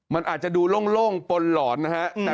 มันอาจจะดูโล่งปนหลอนนะฮะ